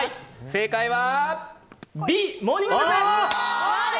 正解はＢ。